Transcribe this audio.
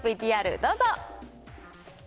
ＶＴＲどうぞ。